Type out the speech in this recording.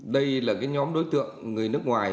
đây là cái nhóm đối tượng người nước ngoài